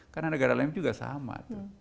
karena negara lain juga sama